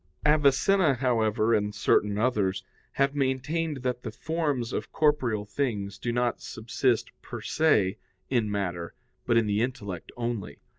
Avicenna, however, and certain others, have maintained that the forms of corporeal things do not subsist per se in matter, but in the intellect only.